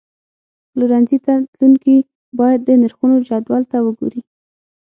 پلورنځي ته تلونکي باید د نرخونو جدول ته وګوري.